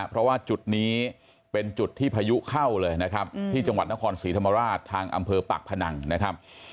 เพราะว่าจุดนี้เป็นจุดที่พายุเข้าเลยนะครับที่จังหวัดนครศรีธรรมราชทางอำเภอปากพนังนะครับ